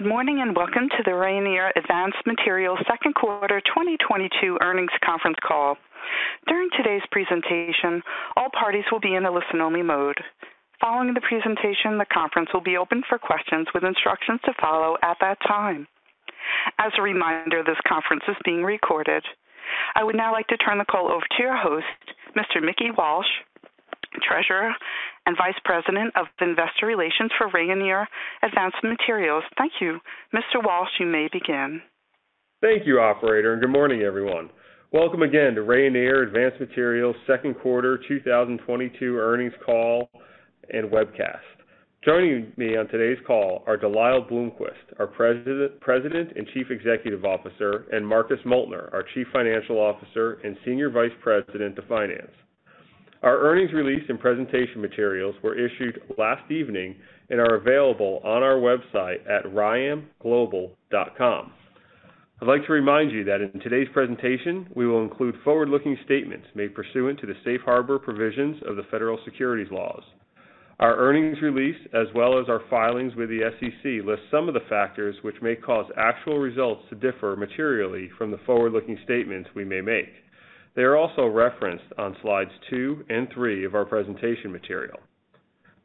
Good morning, and welcome to the Rayonier Advanced Materials second quarter 2022 earnings conference call. During today's presentation, all parties will be in a listen-only mode. Following the presentation, the conference will be open for questions with instructions to follow at that time. As a reminder, this conference is being recorded. I would now like to turn the call over to your host, Mr. Mickey Walsh, Treasurer and Vice President of Investor Relations for Rayonier Advanced Materials. Thank you. Mr. Walsh, you may begin. Thank you, operator, and good morning, everyone. Welcome again to Rayonier Advanced Materials second quarter 2022 earnings call and webcast. Joining me on today's call are De Lyle Bloomquist, our President and Chief Executive Officer, and Marcus Moeltner, our Chief Financial Officer and Senior Vice President of Finance. Our earnings release and presentation materials were issued last evening and are available on our website at ryam.com. I'd like to remind you that in today's presentation, we will include forward-looking statements made pursuant to the safe harbor provisions of the Federal Securities laws. Our earnings release, as well as our filings with the SEC, list some of the factors which may cause actual results to differ materially from the forward-looking statements we may make. They are also referenced on slides two and three of our presentation material.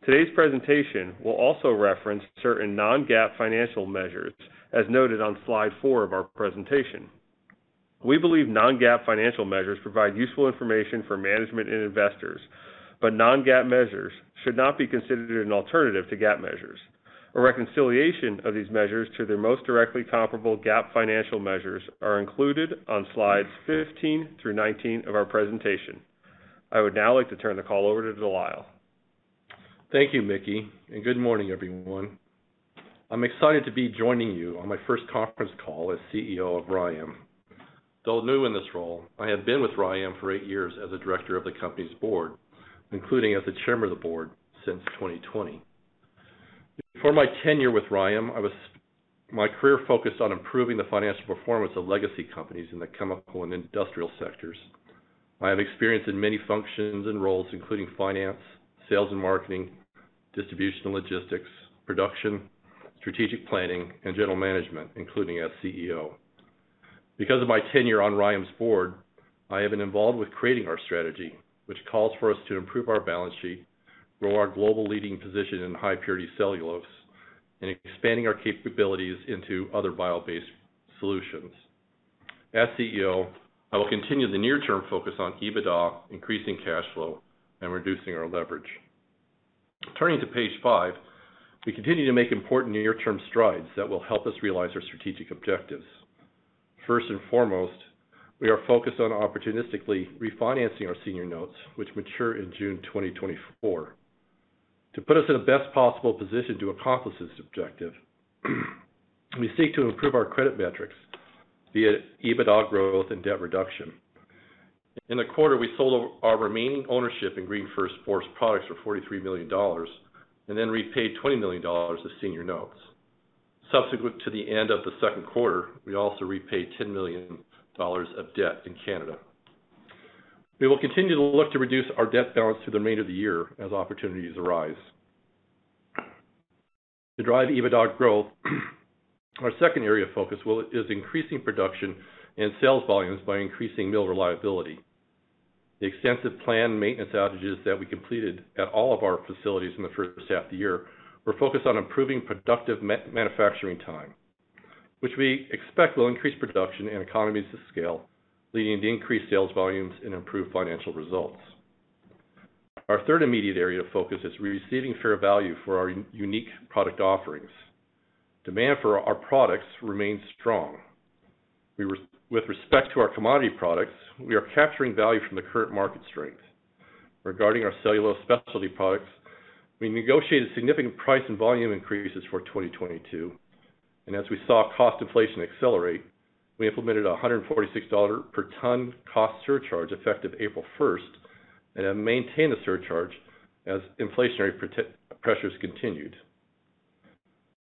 Today's presentation will also reference certain non-GAAP financial measures as noted on slide four of our presentation. We believe non-GAAP financial measures provide useful information for management and investors, but non-GAAP measures should not be considered an alternative to GAAP measures. A reconciliation of these measures to their most directly comparable GAAP financial measures are included on slides 15 through 19 of our presentation. I would now like to turn the call over to De Lyle. Thank you, Mickey, and good morning, everyone. I'm excited to be joining you on my first conference call as CEO of Rayonier. Though new in this role, I have been with Rayonier for eight years as a director of the company's board, including as the Chairman of the board since 2020. Before my tenure with Rayonier, my career focused on improving the financial performance of legacy companies in the chemical and industrial sectors. I have experience in many functions and roles, including finance, sales and marketing, distribution and logistics, production, strategic planning, and general management, including as CEO. Because of my tenure on Rayonier's board, I have been involved with creating our strategy, which calls for us to improve our balance sheet, grow our global leading position in High Purity Cellulose, and expanding our capabilities into other bio-based solutions. As CEO, I will continue the near-term focus on EBITDA, increasing cash flow, and reducing our leverage. Turning to page five, we continue to make important near-term strides that will help us realize our strategic objectives. First and foremost, we are focused on opportunistically refinancing our senior notes, which mature in June 2024. To put us in the best possible position to accomplish this objective, we seek to improve our credit metrics via EBITDA growth and debt reduction. In the quarter, we sold our remaining ownership in GreenFirst Forest Products for $43 million and then repaid $20 million of senior notes. Subsequent to the end of the second quarter, we also repaid $10 million of debt in Canada. We will continue to look to reduce our debt balance through the remainder of the year as opportunities arise. To drive EBITDA growth, our second area of focus is increasing production and sales volumes by increasing mill reliability. The extensive planned maintenance outages that we completed at all of our facilities in the first half of the year were focused on improving productive manufacturing time, which we expect will increase production and economies of scale, leading to increased sales volumes and improved financial results. Our third immediate area of focus is receiving fair value for our unique product offerings. Demand for our products remains strong. With respect to our commodity products, we are capturing value from the current market strength. Regarding our cellulose specialty products, we negotiated significant price and volume increases for 2022, and as we saw cost inflation accelerate, we implemented a $146 per ton cost surcharge, effective April 1st, and have maintained the surcharge as inflationary pressures continued.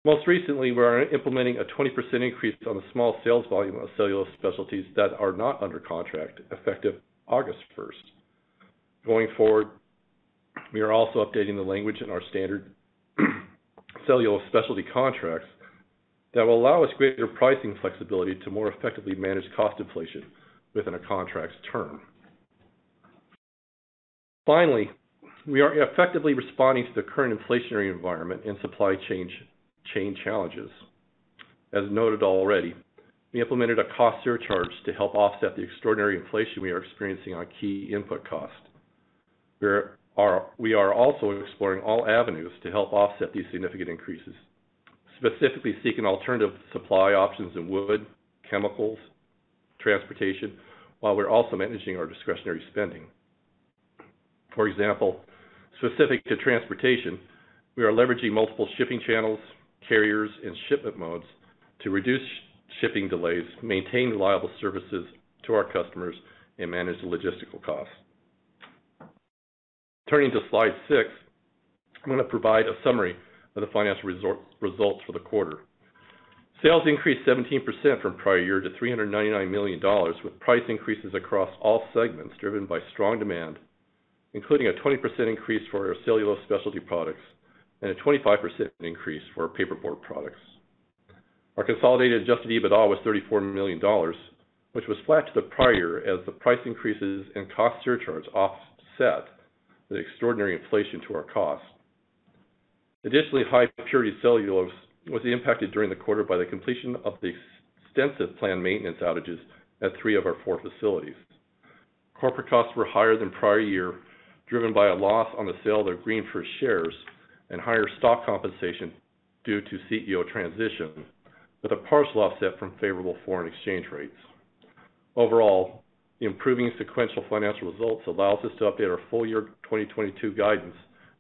Most recently, we are implementing a 20% increase on the small sales volume of Cellulose Specialties that are not under contract effective August 1st. Going forward, we are also updating the language in our standard Cellulose Specialty contracts that will allow us greater pricing flexibility to more effectively manage cost inflation within a contract's term. Finally, we are effectively responding to the current inflationary environment and supply chain challenges. As noted already, we implemented a cost surcharge to help offset the extraordinary inflation we are experiencing on key input cost. We are also exploring all avenues to help offset these significant increases, specifically seeking alternative supply options in wood, chemicals, transportation, while we're also managing our discretionary spending. For example, specific to transportation, we are leveraging multiple shipping channels, carriers, and shipment modes to reduce shipping delays, maintain reliable services to our customers, and manage the logistical costs. Turning to slide six, I'm going to provide a summary of the financial results for the quarter. Sales increased 17% from prior year to $399 million, with price increases across all segments driven by strong demand. Including a 20% increase for our Cellulose Specialties products and a 25% increase for our paperboard products. Our consolidated adjusted EBITDA was $34 million, which was flat to the prior as the price increases and cost surcharges offset the extraordinary inflation to our cost. Additionally, High Purity Cellulose was impacted during the quarter by the completion of the extensive planned maintenance outages at three of our four facilities. Corporate costs were higher than prior year, driven by a loss on the sale of GreenFirst shares and higher stock compensation due to CEO transition, with a partial offset from favorable foreign exchange rates. Overall, improving sequential financial results allows us to update our full year 2022 guidance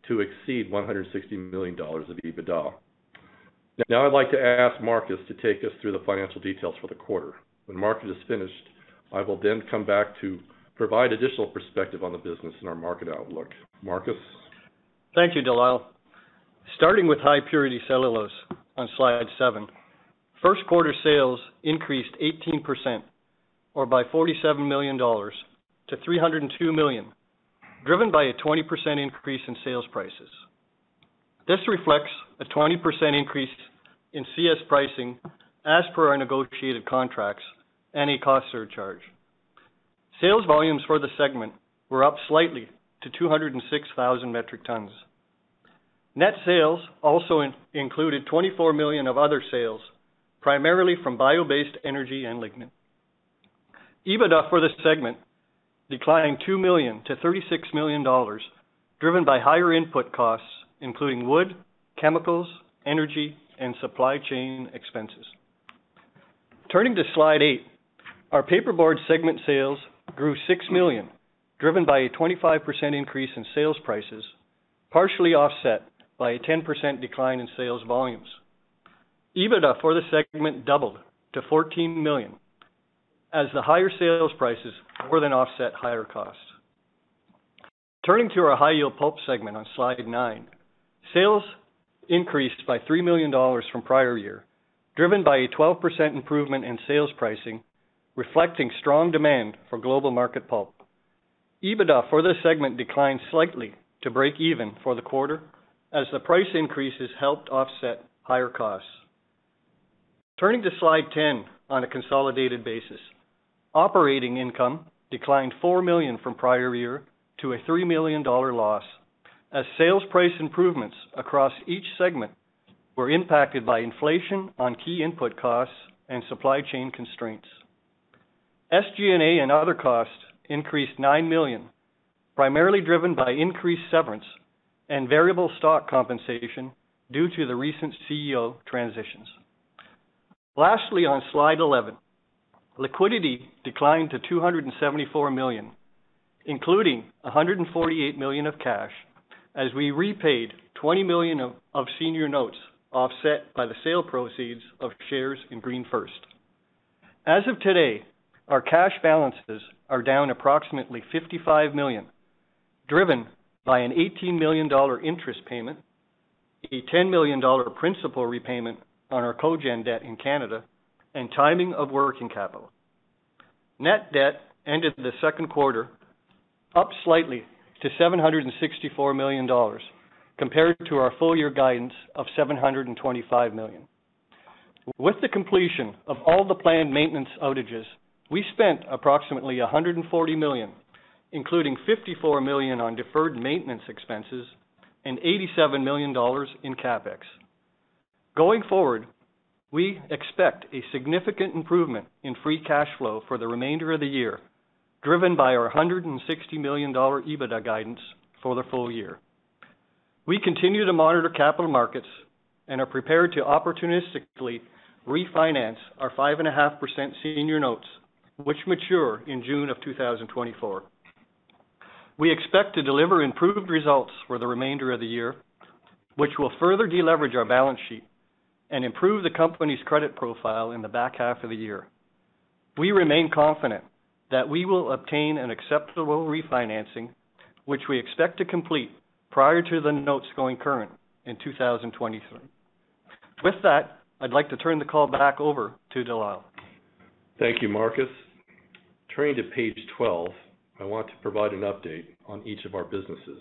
to exceed $160 million of EBITDA. Now I'd like to ask Marcus to take us through the financial details for the quarter. When Marcus is finished, I will then come back to provide additional perspective on the business and our market outlook. Marcus? Thank you, De Lyle. Starting with High Purity Cellulose on slide seven, first quarter sales increased 18% or by $47 million-$302 million, driven by a 20% increase in sales prices. This reflects a 20% increase in CS pricing as per our negotiated contracts and a cost surcharge. Sales volumes for the segment were up slightly to 206,000 metric tons. Net sales also included $24 million of other sales, primarily from bio-based energy and lignin. EBITDA for this segment declined $2 million-$36 million, driven by higher input costs, including wood, chemicals, energy, and supply chain expenses. Turning to slide eight, our paperboard segment sales grew $6 million, driven by a 25% increase in sales prices, partially offset by a 10% decline in sales volumes. EBITDA for the segment doubled to $14 million, as the higher sales prices more than offset higher costs. Turning to our High-Yield Pulp segment on slide nine, sales increased by $3 million from prior year, driven by a 12% improvement in sales pricing, reflecting strong demand for global market pulp. EBITDA for this segment declined slightly to break even for the quarter as the price increases helped offset higher costs. Turning to slide 10, on a consolidated basis, operating income declined $4 million from prior year to a $3 million loss as sales price improvements across each segment were impacted by inflation on key input costs and supply chain constraints. SG&A and other costs increased $9 million, primarily driven by increased severance and variable stock compensation due to the recent CEO transitions. Lastly, on slide 11, liquidity declined to $274 million, including $148 million of cash as we repaid $20 million of senior notes offset by the sale proceeds of shares in GreenFirst. As of today, our cash balances are down approximately $55 million, driven by an $18 million interest payment, a $10 million principal repayment on our cogen debt in Canada, and timing of working capital. Net debt ended the second quarter up slightly to $764 million compared to our full year guidance of $725 million. With the completion of all the planned maintenance outages, we spent approximately $140 million, including $54 million on deferred maintenance expenses and $87 million in CapEx. Going forward, we expect a significant improvement in free cash flow for the remainder of the year, driven by our $160 million EBITDA guidance for the full year. We continue to monitor capital markets and are prepared to opportunistically refinance our 5.5% senior notes, which mature in June of 2024. We expect to deliver improved results for the remainder of the year, which will further deleverage our balance sheet and improve the company's credit profile in the back half of the year. We remain confident that we will obtain an acceptable refinancing, which we expect to complete prior to the notes going current in 2023. With that, I'd like to turn the call back over to De Lyle. Thank you, Marcus. Turning to page 12, I want to provide an update on each of our businesses.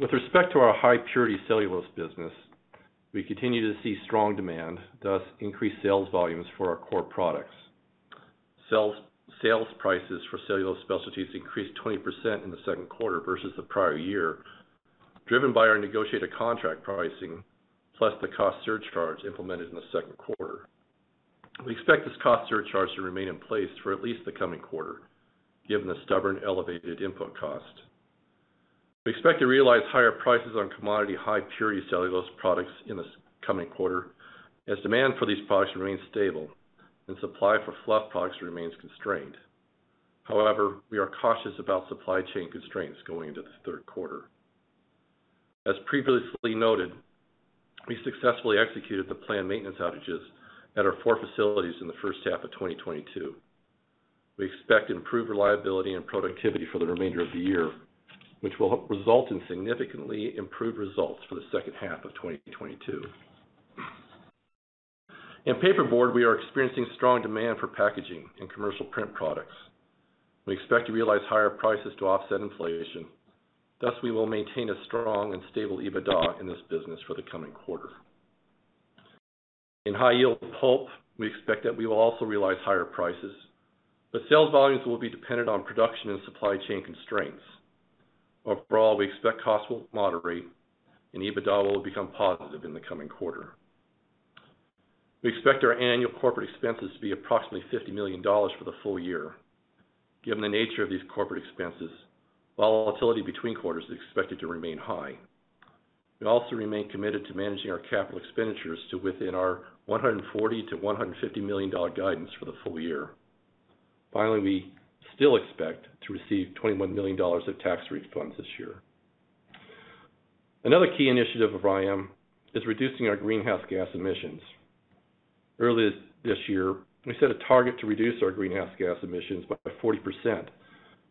With respect to our High Purity Cellulose business, we continue to see strong demand, thus increased sales volumes for our core products. Sales prices for Cellulose Specialties increased 20% in the second quarter versus the prior year, driven by our negotiated contract pricing, plus the cost surcharge implemented in the second quarter. We expect this cost surcharge to remain in place for at least the coming quarter, given the stubborn elevated input cost. We expect to realize higher prices on commodity High Purity Cellulose products in this coming quarter, as demand for these products remains stable and supply for Fluff products remains constrained. However, we are cautious about supply chain constraints going into the third quarter. As previously noted, we successfully executed the planned maintenance outages at our four facilities in the first half of 2022. We expect improved reliability and productivity for the remainder of the year, which will result in significantly improved results for the second half of 2022. In paperboard, we are experiencing strong demand for packaging and commercial print products. We expect to realize higher prices to offset inflation. Thus, we will maintain a strong and stable EBITDA in this business for the coming quarter. In high-yield pulp, we expect that we will also realize higher prices, but sales volumes will be dependent on production and supply chain constraints. Overall, we expect costs will moderate, and EBITDA will become positive in the coming quarter. We expect our annual corporate expenses to be approximately $50 million for the full year. Given the nature of these corporate expenses, volatility between quarters is expected to remain high. We also remain committed to managing our capital expenditures to within our $140 million-$150 million guidance for the full year. Finally, we still expect to receive $21 million of tax refunds this year. Another key initiative of RYAM is reducing our greenhouse gas emissions. Early this year, we set a target to reduce our greenhouse gas emissions by 40%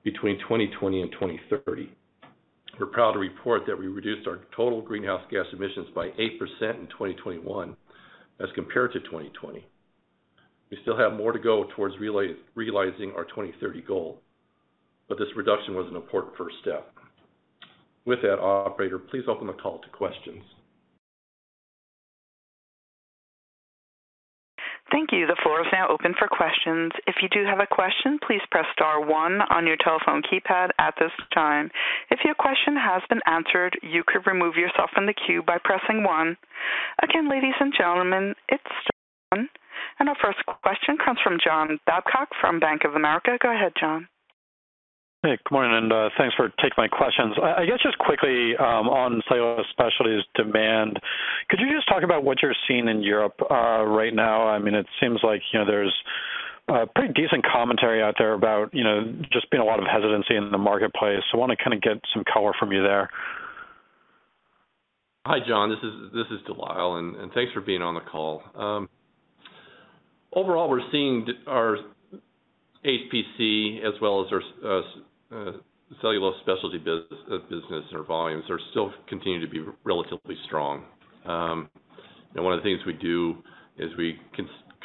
between 2020 and 2030. We're proud to report that we reduced our total greenhouse gas emissions by 8% in 2021 as compared to 2020. We still have more to go towards realizing our 2030 goal, but this reduction was an important first step. With that, operator, please open the call to questions. Thank you. The floor is now open for questions. If you do have a question, please press star one on your telephone keypad at this time. If your question has been answered, you could remove yourself from the queue by pressing one. Again, ladies and gentlemen, it's Joan, and our first question comes from John Babcock from Bank of America. Go ahead, John. Hey, good morning, and thanks for taking my questions. I guess just quickly, on Cellulose Specialties demand, could you just talk about what you're seeing in Europe right now? I mean, it seems like, you know, there's pretty decent commentary out there about, you know, just been a lot of hesitancy in the marketplace. I wanna kinda get some color from you there. Hi, John. This is De Lyle, and thanks for being on the call. Overall, we're seeing our HPC as well as our cellulose specialty business and our volumes are still continuing to be relatively strong. One of the things we do is we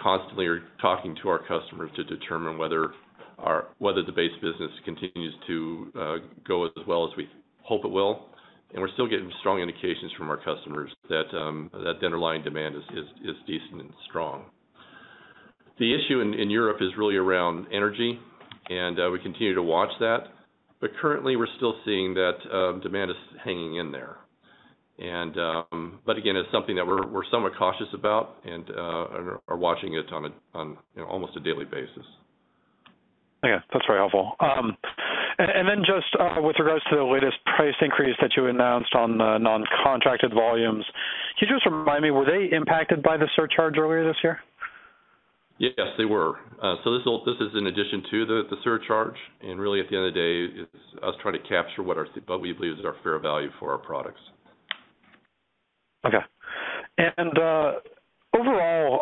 constantly are talking to our customers to determine whether the base business continues to go as well as we hope it will, and we're still getting strong indications from our customers that the underlying demand is decent and strong. The issue in Europe is really around energy, and we continue to watch that. Currently, we're still seeing that demand is hanging in there. Again, it's something that we're somewhat cautious about and are watching it on almost a daily basis. Okay, that's very helpful. With regards to the latest price increase that you announced on the non-contracted volumes, could you just remind me, were they impacted by the surcharge earlier this year? Yes, they were. This is in addition to the surcharge, and really at the end of the day, it's us trying to capture what we believe is our fair value for our products. Okay. Overall,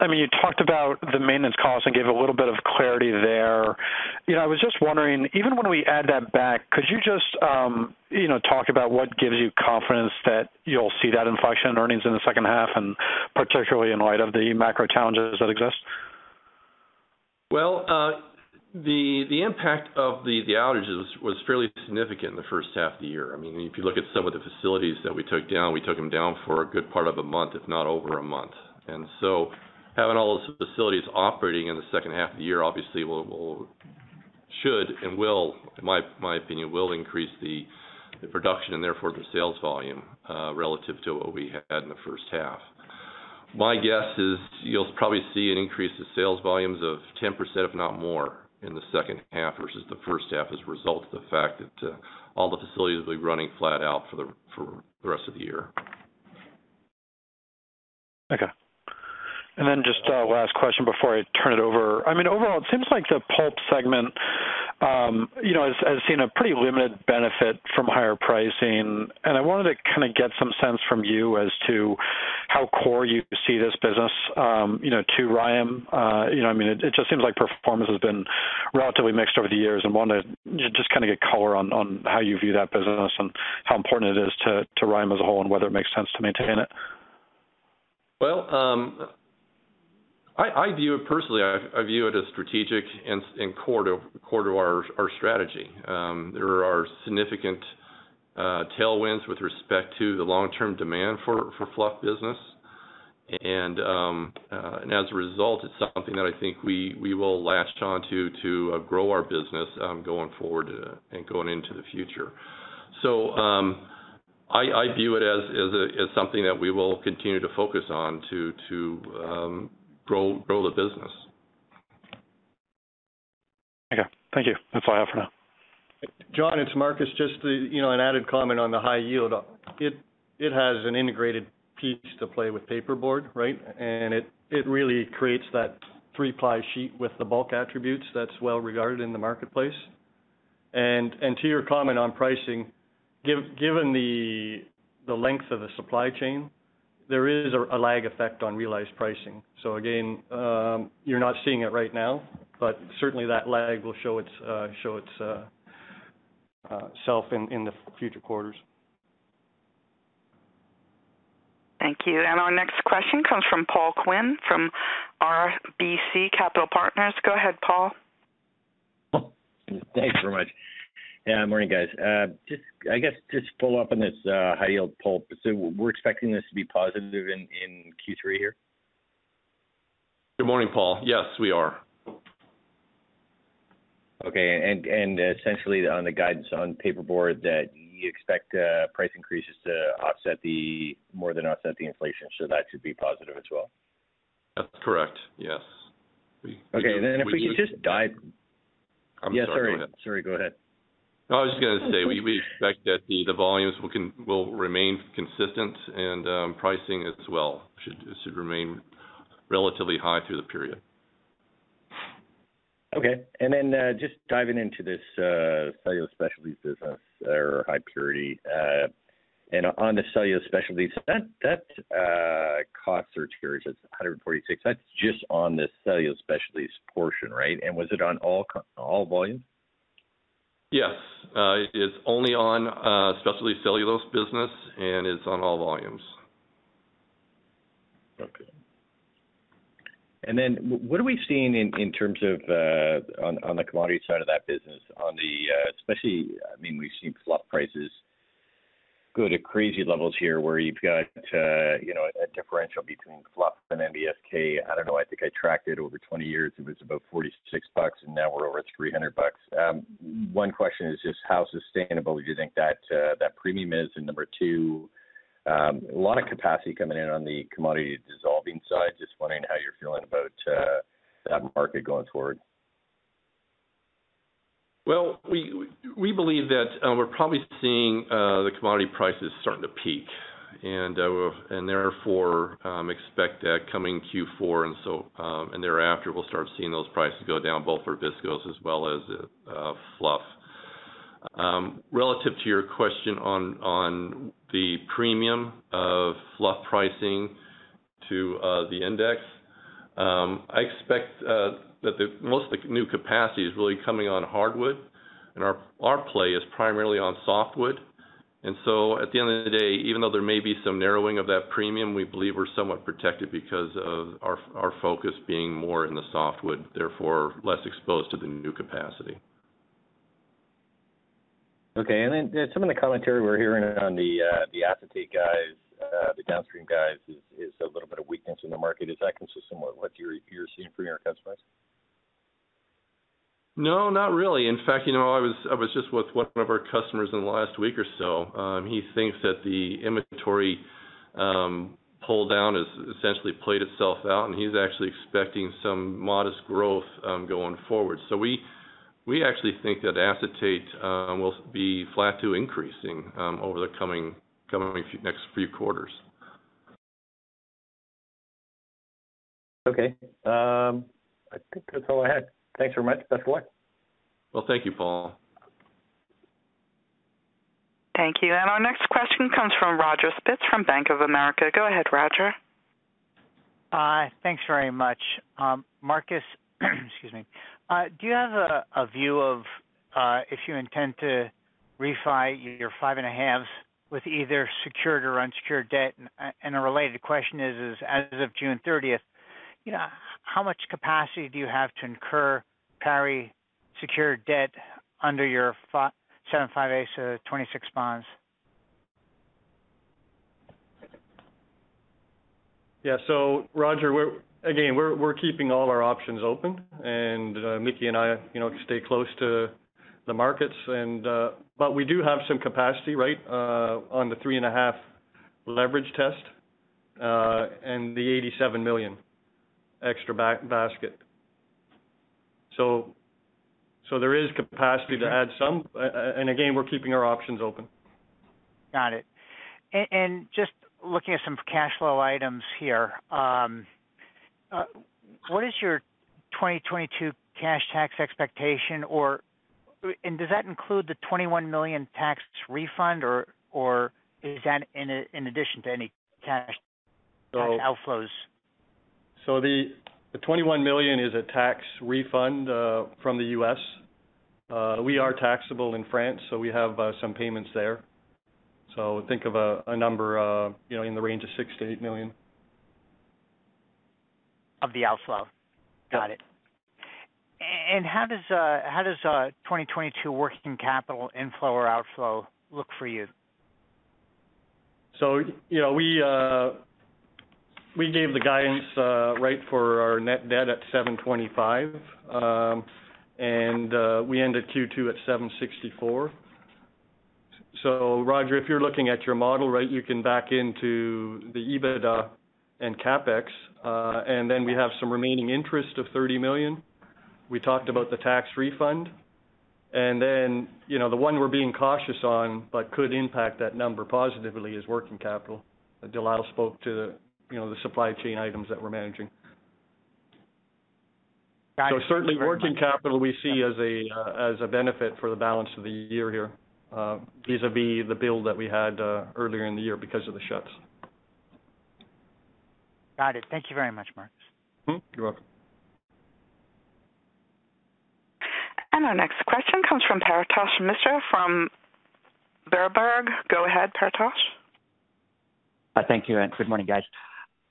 I mean, you talked about the maintenance costs and gave a little bit of clarity there. You know, I was just wondering, even when we add that back, could you just, you know, talk about what gives you confidence that you'll see that inflection in earnings in the second half, and particularly in light of the macro challenges that exist? The impact of the outages was fairly significant in the first half of the year. I mean, if you look at some of the facilities that we took down, we took them down for a good part of a month, if not over a month. Having all those facilities operating in the second half of the year obviously should and will, in my opinion, increase the production and therefore the sales volume relative to what we had in the first half. My guess is you'll probably see an increase in sales volumes of 10%, if not more, in the second half versus the first half as a result of the fact that all the facilities will be running flat out for the rest of the year. Okay. Just a last question before I turn it over. I mean, overall it seems like the pulp segment, you know, has seen a pretty limited benefit from higher pricing. I wanted to kinda get some sense from you as to how core you see this business, you know, to RYAM. You know, I mean, it just seems like performance has been relatively mixed over the years, and wanted just kinda get color on how you view that business and how important it is to RYAM as a whole, and whether it makes sense to maintain it. Well, I view it personally as strategic and core to our strategy. There are significant tailwinds with respect to the long-term demand for Fluff business. As a result, it's something that I think we will latch on to to grow our business going forward and going into the future. I view it as something that we will continue to focus on to grow the business. Okay. Thank you. That's all I have for now. John, it's Marcus. Just, you know, an added comment on the high yield. It has an integrated piece to play with paperboard, right? It really creates that three-ply sheet with the bulk attributes that's well regarded in the marketplace. To your comment on pricing, given the length of the supply chain, there is a lag effect on realized pricing. Again, you're not seeing it right now, but certainly that lag will show its. We'll see in the future quarters. Thank you. Our next question comes from Paul Quinn from RBC Capital Markets. Go ahead, Paul. Well, thanks very much. Yeah, morning, guys. Just, I guess, to follow up on this High-Yield Pulp. We're expecting this to be positive in Q3 here? Good morning, Paul. Yes, we are. Okay. Essentially on the guidance on paperboard that you expect price increases to more than offset the inflation, so that should be positive as well? That's correct, yes. Okay. If we could just dive I'm sorry, go ahead. Yeah, sorry. Sorry, go ahead. No, I was just gonna say, we expect that the volumes will remain consistent and pricing as well should remain relatively high through the period. Okay. Just diving into this, Cellulose Specialties business or high purity. On the Cellulose Specialties, that cost surge here, it says $146, that's just on the Cellulose Specialties portion, right? Was it on all volumes? Yes. It is only on Cellulose Specialties business, and it's on all volumes. What are we seeing in terms of on the commodity side of that business, especially? I mean, we've seen fluff prices go to crazy levels here, where you've got a differential between fluff and NBSK. I don't know. I think I tracked it over 20 years. It was about $46 and now we're over at $300. One question is just how sustainable would you think that premium is? Number two, a lot of capacity coming in on the commodity dissolving side. Just wondering how you're feeling about that market going forward. Well, we believe that we're probably seeing the commodity prices starting to peak and therefore expect coming Q4 and so, and thereafter, we'll start seeing those prices go down both for viscose as well as fluff. Relative to your question on the premium of fluff pricing to the index, I expect that most of the new capacity is really coming on hardwood, and our play is primarily on softwood. At the end of the day, even though there may be some narrowing of that premium, we believe we're somewhat protected because of our focus being more in the softwood, therefore less exposed to the new capacity. Okay. Some of the commentary we're hearing on the acetate guys, the downstream guys is a little bit of weakness in the market. Is that consistent with what you're seeing from your customers? No, not really. In fact, you know, I was just with one of our customers in the last week or so. He thinks that the inventory pull down has essentially played itself out, and he's actually expecting some modest growth going forward. We actually think that Acetate will be flat to increasing over the next few quarters. Okay. I think that's all I had. Thanks very much, best of luck. Well, thank you, Paul. Thank you. Our next question comes from Roger Spitz from Bank of America. Go ahead, Roger. Thanks very much. Marcus, excuse me. Do you have a view of if you intend to refi your 5.5s with either secured or unsecured debt? A related question is, as of June 30th, you know, how much capacity do you have to carry secured debt under your 7 5/8s to the 2026 bonds? Yeah, Roger, we're again keeping all our options open, and Mickey and I, you know, stay close to the markets. We do have some capacity, right, on the 3.5 leverage test, and the $87 million extra basket. There is capacity to add some. Again, we're keeping our options open. Got it. Just looking at some cash flow items here. What is your 2022 cash tax expectation or does that include the $21 million tax refund or is that in addition to any cash outflows? The $21 million is a tax refund from the U.S. We are taxable in France, so we have some payments there. Think of a number, you know, in the range of $6 million-$8 million. Of the outflow? Yeah. Got it. How does 2022 working capital inflow or outflow look for you? You know, we gave the guidance, right, for our net debt at $725 million. We ended Q2 at $764 million. Roger, if you're looking at your model, right, you can back into the EBITDA and CapEx. We have some remaining interest of $30 million. We talked about the tax refund. You know, the one we're being cautious on, but could impact that number positively is working capital. De Lyle spoke to, you know, the supply chain items that we're managing. Got it. Thank you very much. Certainly working capital we see as a benefit for the balance of the year here, vis-a-vis the build that we had earlier in the year because of the shutdowns. Got it. Thank you very much, Marcus. Mm-hmm. You're welcome. Our next question comes from Paretosh Misra from Berenberg. Go ahead, Paretosh. Thank you, good morning, guys.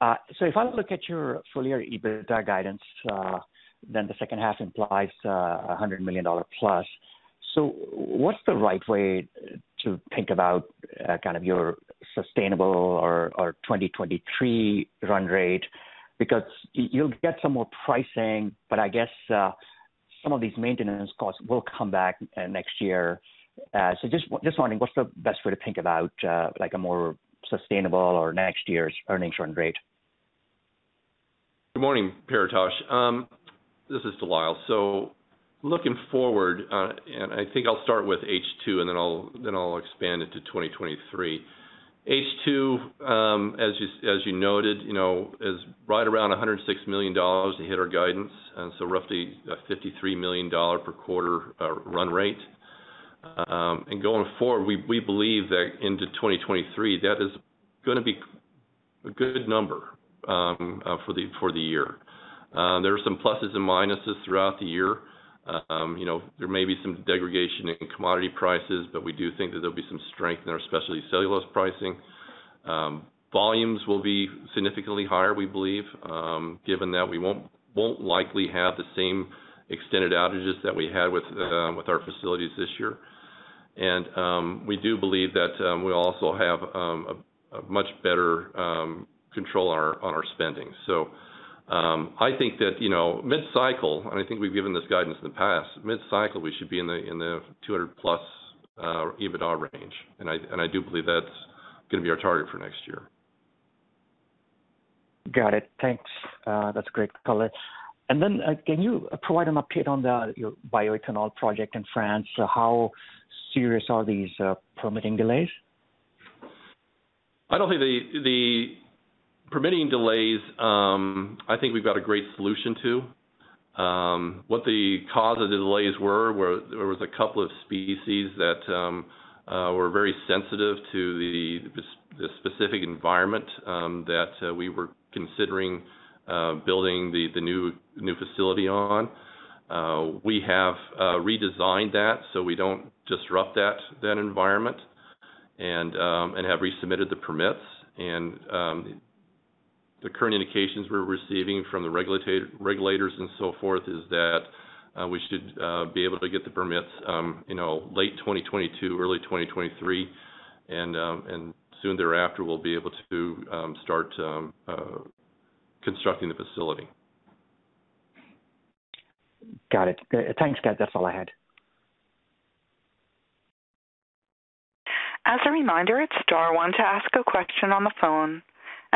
If I look at your full year EBITDA guidance, then the second half implies $100 million+. What's the right way to think about kind of your sustainable or 2023 run rate? Because you'll get some more pricing, but I guess some of these maintenance costs will come back next year. Just wondering what's the best way to think about like a more sustainable or next year's earnings run rate? Good morning, Paritosh. This is De Lyle. Looking forward, and I think I'll start with H2, and then I'll expand it to 2023. H2, as you noted, you know, is right around $106 million to hit our guidance, and roughly $53 million per quarter run rate. Going forward, we believe that into 2023, that is gonna be a good number for the year. There are some pluses and minuses throughout the year. You know, there may be some degradation in commodity prices, but we do think that there'll be some strength in our specialty cellulose pricing. Volumes will be significantly higher, we believe, given that we won't likely have the same extended outages that we had with our facilities this year. We do believe that we'll also have a much better control on our spending. I think that, you know, mid-cycle, and I think we've given this guidance in the past, mid-cycle, we should be in the 200+ EBITDA range, and I do believe that's gonna be our target for next year. Got it. Thanks. That's great color. Can you provide an update on your bioethanol project in France? How serious are these permitting delays? I don't think the permitting delays. I think we've got a great solution to what caused the delays. There was a couple of species that were very sensitive to the specific environment that we were considering building the new facility on. We have redesigned that so we don't disrupt that environment and have resubmitted the permits. The current indications we're receiving from the regulators and so forth is that we should be able to get the permits, you know, late 2022, early 2023, and soon thereafter we'll be able to start constructing the facility. Got it. Thanks, guys. That's all I had. As a reminder, it's star one to ask a question on the phone.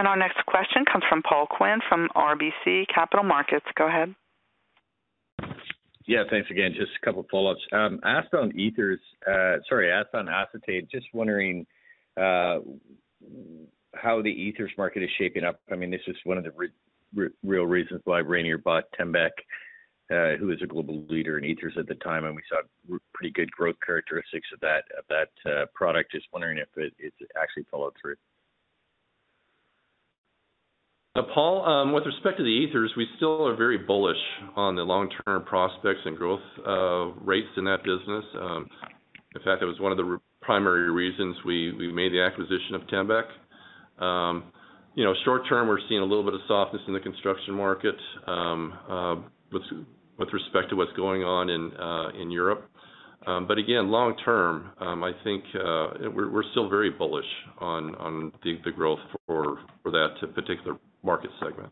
Our next question comes from Paul Quinn from RBC Capital Markets. Go ahead. Yeah. Thanks again. Just a couple follow-ups. Asked on acetate, just wondering how the ethers market is shaping up. I mean, this is one of the real reasons why Rayonier bought Tembec, who was a global leader in ethers at the time, and we saw pretty good growth characteristics of that product. Just wondering if it actually followed through. Paul, with respect to the ethers, we still are very bullish on the long-term prospects and growth rates in that business. In fact, that was one of the primary reasons we made the acquisition of Tembec. You know, short term, we're seeing a little bit of softness in the construction market, with respect to what's going on in Europe. Again, long term, I think we're still very bullish on the growth for that particular market segment.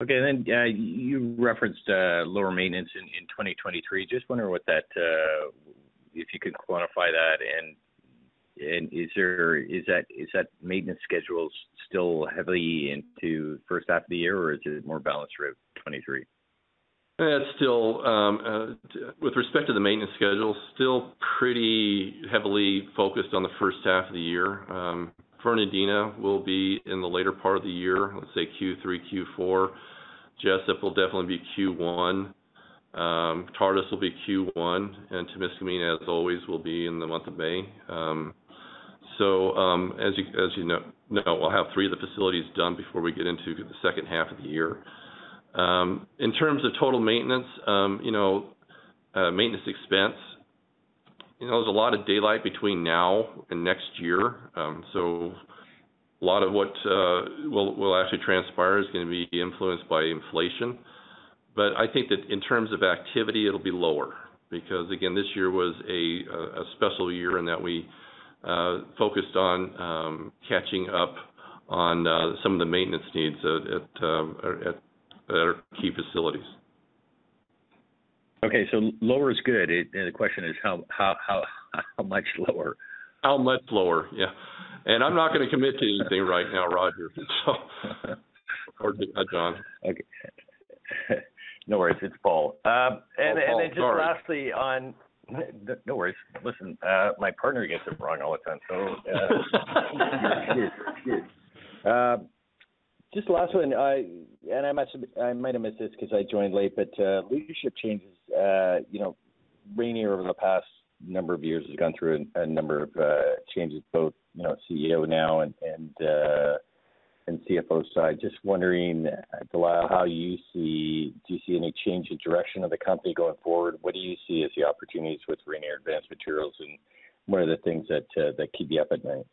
You referenced lower maintenance in 2023. Just wondering if you could quantify that, and is that maintenance schedule still heavily into first half of the year or is it more balanced throughout 2023? It's still with respect to the maintenance schedule, still pretty heavily focused on the first half of the year. Fernandina will be in the later part of the year, let's say Q3, Q4. Jesup will definitely be Q1. Tartas will be Q1, and Témiscaming, as always, will be in the month of May. As you know, we'll have three of the facilities done before we get into the second half of the year. In terms of total maintenance, you know, maintenance expense, you know, there's a lot of daylight between now and next year, so a lot of what will actually transpire is gonna be influenced by inflation. I think that in terms of activity it'll be lower. Because, again, this year was a special year in that we focused on catching up on some of the maintenance needs at our key facilities. Okay. Lower is good. The question is how much lower? How much lower? Yeah. I'm not gonna commit to anything right now, Roger, so or John. Okay. No worries, it's Paul. Oh, Paul. Sorry. Just lastly on. No worries. Listen, my partner gets it wrong all the time, so. Cheers. Cheers. Just last one. I might have missed this 'cause I joined late, but leadership changes, you know, Rayonier over the past number of years has gone through a number of changes, both, you know, CEO now and CFO side. Just wondering, De Lyle, how you see. Do you see any change in direction of the company going forward? What do you see as the opportunities with Rayonier Advanced Materials, and what are the things that keep you up at night?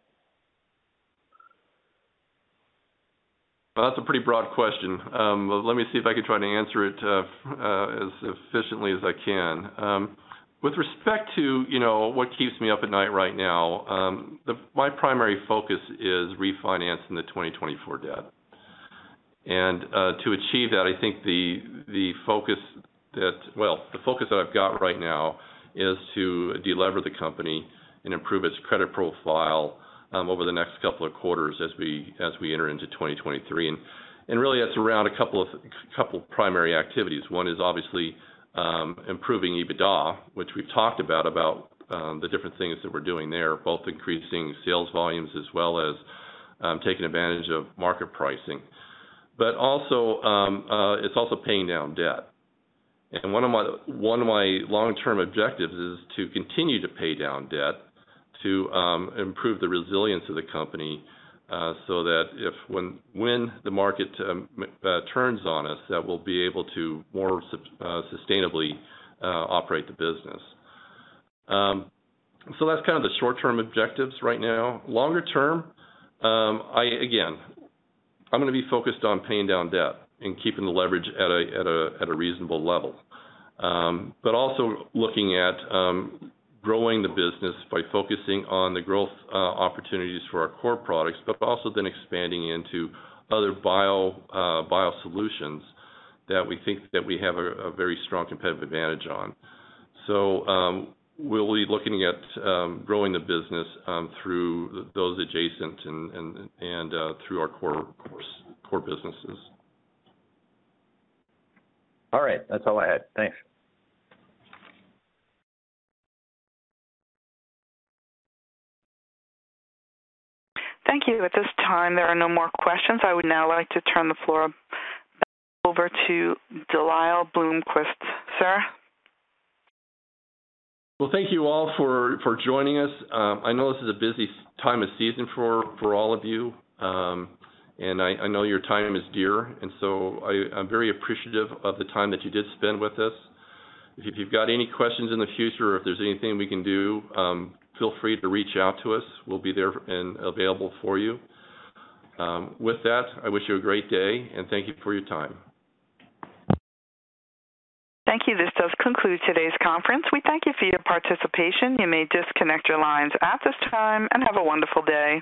Well, that's a pretty broad question. Let me see if I can try to answer it as efficiently as I can. With respect to, you know, what keeps me up at night right now, my primary focus is refinancing the 2024 debt. To achieve that, I think the focus that I've got right now is to de-lever the company and improve its credit profile over the next couple of quarters as we enter into 2023. Really it's around a couple of primary activities. One is obviously improving EBITDA, which we've talked about, the different things that we're doing there, both increasing sales volumes as well as taking advantage of market pricing. Also, it's also paying down debt. One of my long-term objectives is to continue to pay down debt to improve the resilience of the company, so that when the market turns on us, that we'll be able to more sustainably operate the business. So that's kind of the short-term objectives right now. Longer term, I again, I'm gonna be focused on paying down debt and keeping the leverage at a reasonable level. But also looking at growing the business by focusing on the growth opportunities for our core products, but also then expanding into other biosolutions that we think that we have a very strong competitive advantage on. We'll be looking at growing the business through those adjacent and through our core businesses. All right. That's all I had. Thanks. Thank you. At this time, there are no more questions. I would now like to turn the floor over to De Lyle Bloomquist. Sir? Well, thank you all for joining us. I know this is a busy time of season for all of you, and I know your time is dear, and so I'm very appreciative of the time that you did spend with us. If you've got any questions in the future or if there's anything we can do, feel free to reach out to us. We'll be there and available for you. With that, I wish you a great day, and thank you for your time. Thank you. This does conclude today's conference. We thank you for your participation. You may disconnect your lines at this time, and have a wonderful day.